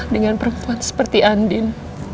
dengan perempuan seperti andin